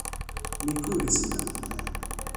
mi pu e sina!